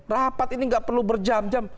rapat ini nggak perlu berjam jam